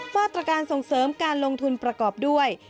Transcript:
มาตรการส่งเสริมการลงทุนประกอบด้วย